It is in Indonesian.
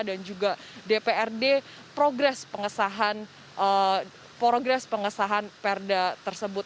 dan juga dprd progres pengesahan perda tersebut